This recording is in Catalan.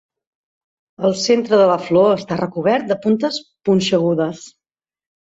El centre de la flor està recobert de puntes punxegudes.